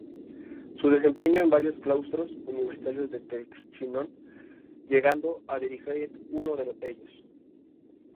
Se desempeñó en varios Claustros Universitarios del Technion, llegando a dirigir uno de ellos.